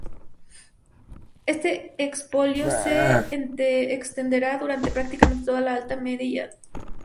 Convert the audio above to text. Este expolio se extenderá durante prácticamente toda la Alta Edad Media.